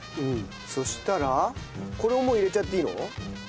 そしたらこれをもう入れちゃっていいの？